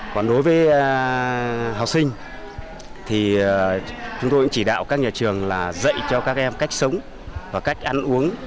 còn đối với học sinh thì chúng tôi cũng chỉ đạo các nhà trường là dạy cho các em cách sống và cách ăn uống